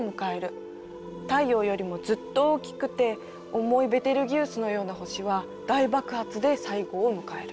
太陽よりもずっと大きくて重いベテルギウスのような星は大爆発で最後を迎える。